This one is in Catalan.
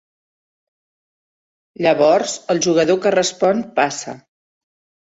Llavors el jugador que respon, passa.